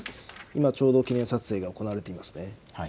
今ちょうど記念撮影が行われています。